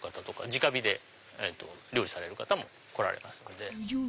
じか火で料理される方も来られます。